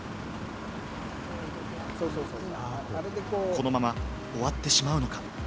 このまま終わってしまうのか？